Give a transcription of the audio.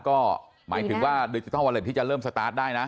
ก็หมายถึงว่าดิจิทัลวอเล็ตที่จะเริ่มสตาร์ทได้นะ